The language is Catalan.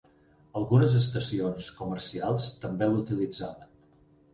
Algunes estacions comercials també l'utilitzaven.